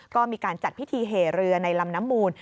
ก็มีการจัดพิธีเหเรือในลำน้ำมูล